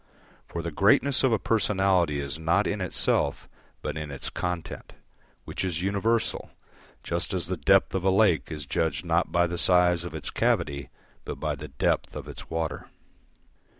For the greatness of a personality is not in itself but in its content, which is universal, just as the depth of a lake is judged not by the size of its cavity but by the depth of its water.